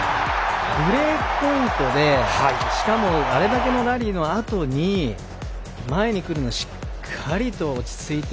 ブレークポイントでしかもあれだけのラリーのあとに前に来るのしっかりと落ち着いて